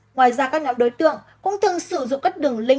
ngoài ra các nhóm đối tượng cũng thường sử dụng các đường lin